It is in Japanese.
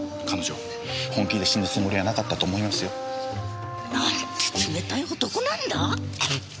彼女本気で死ぬつもりはなかったと思いますよ。なんて冷たい男なんだ！